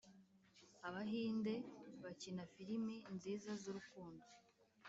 abahinde bakina filimi nziza z’ urukundo